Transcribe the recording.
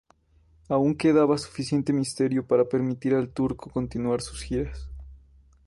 Aún quedaba suficiente misterio para permitir al Turco continuar sus giras.